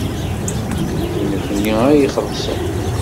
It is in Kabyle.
D nekkni ad ixellṣen.